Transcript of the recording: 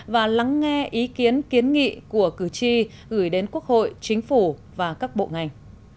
và lắng nghe ý kiến kiến nghị của cử tri gửi đến quốc hội chính phủ và các bộ ngành